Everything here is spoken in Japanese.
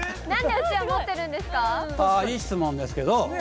ああいい質問ですけど